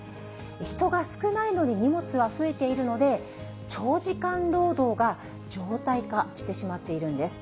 人が少ないのに荷物は増えているので、長時間労働が常態化してしまっているんです。